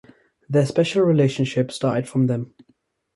Their special relationship started from then.